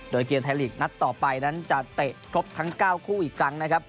โดยเกมไทยลีกนัดต่อไปนั้นจะเตะครบทั้ง๙คู่อีกครั้งนะครับ